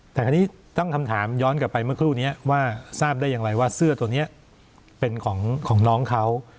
แต่คราวนี้ตั้งคำถามย้อนกลับไปเมื่อครู่นี้ว่าทราบได้อย่างไรว่าเสื้อตัวนี้เป็นของน้องเขา